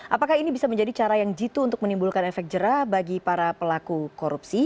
apakah ini bisa menjadi cara yang jitu untuk menimbulkan efek jerah bagi para pelaku korupsi